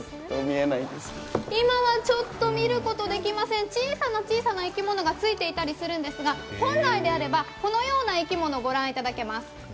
今は見ることができません、本来なら小さな小さな生き物がついていたりするんですが、本来であればこのような生き物ご覧いただけます。